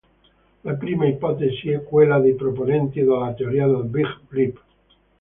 La prima ipotesi è quella dei proponenti della teoria del Big Rip.